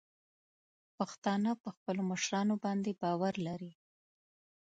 پښتانه په خپلو مشرانو باندې باور لري.